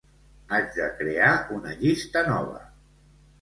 Haig de crear una llista nova.